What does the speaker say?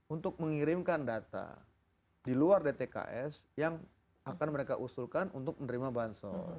untuk mengirimkan data di luar dtks yang akan mereka usulkan untuk menerima bansos